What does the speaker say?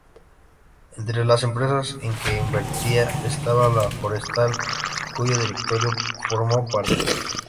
Entre las empresas en que invertía estaba La Forestal, de cuyo directorio formó parte.